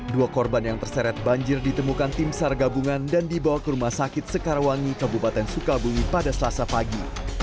dua korban yang terseret banjir ditemukan tim sar gabungan dan dibawa ke rumah sakit sekarwangi kabupaten sukabumi pada selasa pagi